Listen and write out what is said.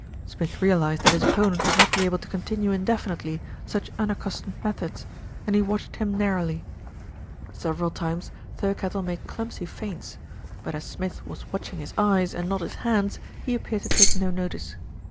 Smith realised that his opponent would not be able to continue indefinitely such unaccustomed methods, and he watched him narrowly. LITTLE BILSTEAD ACHES WITH DRAMA SOS Several times Thirkettle made clumsy feints; but as Smith was watching his eyes and not his hands, he appeared to take no notice.